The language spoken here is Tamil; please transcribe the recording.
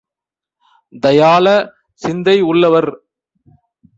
தயாள சிந்தை உள்ளவர்.